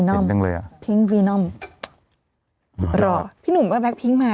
โอ้โหหนักเต็มตั้งเลยอ่ะพิงก์วีนอมหรอพี่หนุ่มแว๊กแว๊กพิงก์มา